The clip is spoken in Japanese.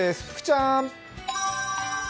福ちゃん。